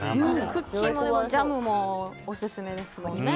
クッキーもジャムもオススメですよね。